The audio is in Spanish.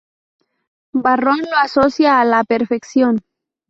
Varrón lo asocia a la "perfección".